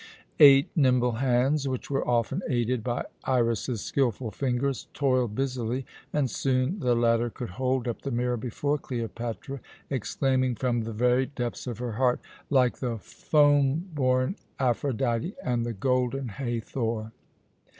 Eight nimble hands, which were often aided by Iras's skilful fingers, toiled busily, and soon the latter could hold up the mirror before Cleopatra, exclaiming from the very depths of her heart, "Like the foam born Aphrodite and the golden Hathor!"